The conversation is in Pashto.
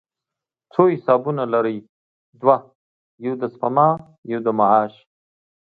څو حسابونه لرئ؟ دوه، یو د سپما، یو د معاش